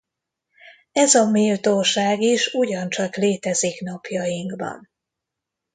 Ez a méltóság is ugyancsak létezik napjainkban.